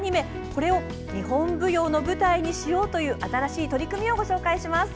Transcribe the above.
これを日本舞踊の舞台にしようという新しい取り組みをご紹介します。